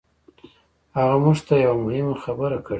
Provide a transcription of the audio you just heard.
هغه موږ ته يوه مهمه خبره کړې وه.